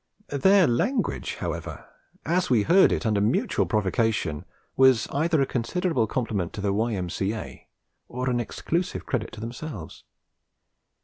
Their language, however, as we heard it under mutual provocation, was either a considerable compliment to the Y.M.C.A. or an exclusive credit to themselves.